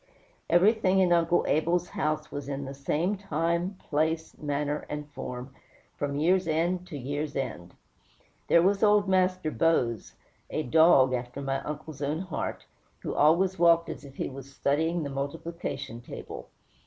Everything in Uncle Abel's house was in the same time, place, manner, and form, from year's end to year's end. There was old Master Bose, a dog after my uncle's own heart, who always walked as if he was studying the multiplication table.